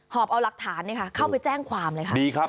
หอบเอาหลักฐานเข้าไปแจ้งความเลยค่ะ